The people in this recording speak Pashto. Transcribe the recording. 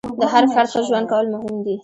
د هر فرد ښه ژوند کول مهم دي.